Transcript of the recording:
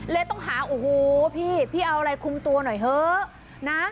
ต้องหาโอ้โหพี่พี่เอาอะไรคุมตัวหน่อยเถอะนะ